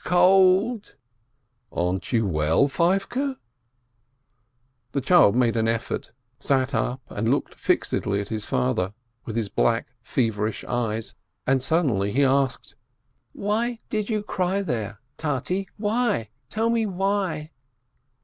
"Cold—." "Aren't you well, Feivke?" The child made an effort, sat up, and looked fixedly at his father, with his black, feverish eyes, and sud denly he asked: "Why did you cry there? Tate, why? Tell me, why?!"